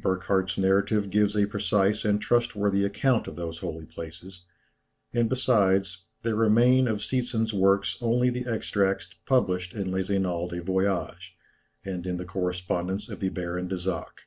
Burckhardt's narrative gives a precise and trustworthy account of those holy places, and besides, there remain of Seetzen's works only the extracts published in "Les Annales des Voyages," and in the Correspondence of the Baron de Zach.